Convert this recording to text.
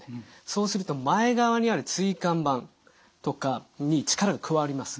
そうすると前側にある椎間板とかに力が加わります。